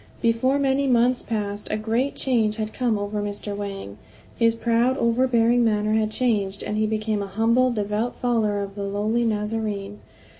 Before many months passed a great change had come over Mr. Wang; his proud, overbearing manner had changed, and he became a humble, devout follower of the lowly Nazarene.